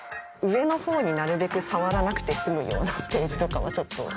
上の方になるべく触らなくて済むようなステージとかはちょっと。